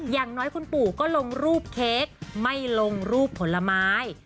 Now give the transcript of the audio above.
อย่างน้อยคุณปู่ก็ลงรูปเค้กไม่ลงรูปผลไม้